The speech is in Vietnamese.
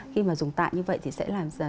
khi mà dùng tạ như vậy thì sẽ làm ra